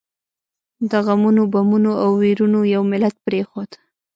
د غمونو، بمونو او ويرونو یو ملت پرېښود.